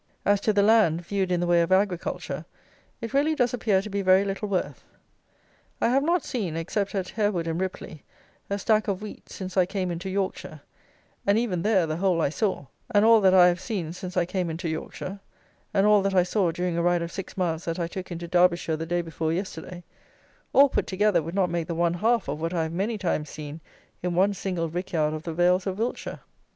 As to the land, viewed in the way of agriculture, it really does appear to be very little worth. I have not seen, except at Harewood and Ripley, a stack of wheat since I came into Yorkshire; and even there, the whole I saw; and all that I have seen since I came into Yorkshire; and all that I saw during a ride of six miles that I took into Derbyshire the day before yesterday; all put together would not make the one half of what I have many times seen in one single rick yard of the vales of Wiltshire.